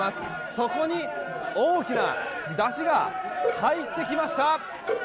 そこに大きな山車が入ってきました。